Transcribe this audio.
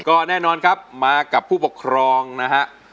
ก็แน่นอนครับมากับผู้ปกครองนะฮะ